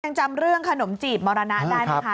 ยังจำเรื่องขนมจีบมรณะได้ไหมคะ